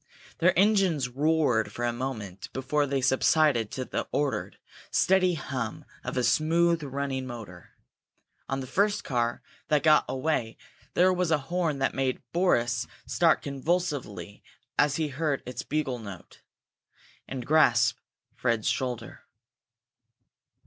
Their engines roared for a moment before they subsided to the ordered, steady hum of a smooth running motor. On the first car that got away there was a horn that made Boris start convulsively as he heard its bugle note, and grasp Fred's shoulder.